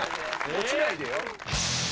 落ちないでよ。